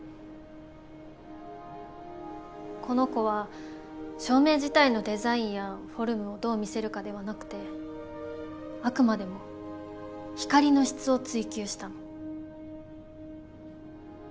この子は照明自体のデザインやフォルムをどう見せるかではなくてあくまでも光の質を追求したの。